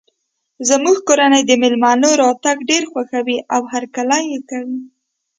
زموږ کورنۍ د مېلمنو راتګ ډیر خوښوي او هرکلی یی کوي